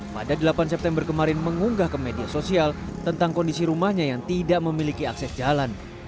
pada delapan september kemarin mengunggah ke media sosial tentang kondisi rumahnya yang tidak memiliki akses jalan